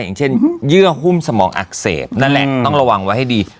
อย่างเช่นเยื่อหุ้มสมองอักเสบนั่นแหละต้องระวังไว้ให้ดี